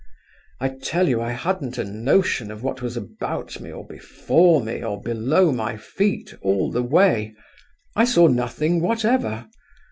I tell you I hadn't a notion of what was about me or before me or below my feet all the way; I saw nothing whatever.